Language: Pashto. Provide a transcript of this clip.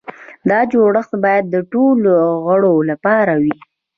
دا جوړښت باید د ټولو غړو لپاره وي.